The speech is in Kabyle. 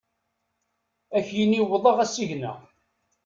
Ad ak-yini wwḍeɣ asigna.